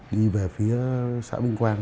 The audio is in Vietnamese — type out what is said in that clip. đi về phía xã vinh quang